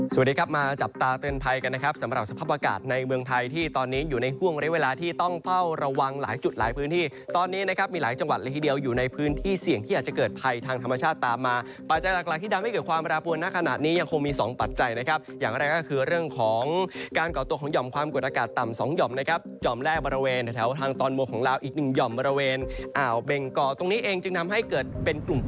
สวัสดีครับมาจับตาเตือนภัยกันนะครับสำหรับสภาพอากาศในเมืองไทยที่ตอนนี้อยู่ในห่วงเรียกเวลาที่ต้องเฝ้าระวังหลายจุดหลายพื้นที่ตอนนี้นะครับมีหลายจังหวัดละทีเดียวอยู่ในพื้นที่เสี่ยงที่อาจจะเกิดภัยทางธรรมชาติตามมาปัจจัยหลากหลายที่ดังไม่เกิดความระบวนหน้าขนาดนี้ยังคงมีสอง